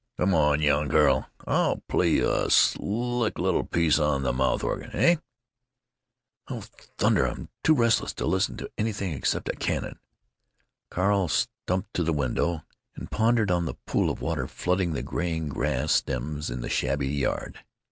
"Come on, young Kerl; I'll play you a slick little piece on the mouth organ. Heh?" "Oh, thunder! I'm too restless to listen to anything except a cannon." Carl stumped to the window and pondered on the pool of water flooding the graying grass stems in the shabby yard.